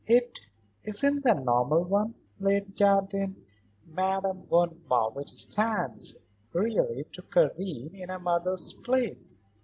"It isn't the normal one, Lady Jardine. Madame von Marwitz stands, really, to Karen in a mother's place."